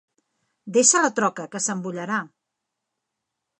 Deixa la troca, que s'embullarà!